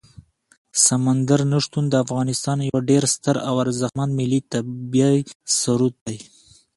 سمندر نه شتون د افغانستان یو ډېر ستر او ارزښتمن ملي طبعي ثروت دی.